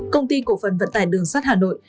công ty cổ phần vận tải đường sắt hà nội